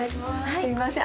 すいません。